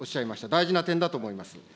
大事な点だと思います。